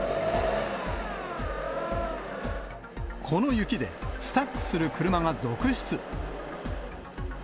この雪で、スタッグする車が続出。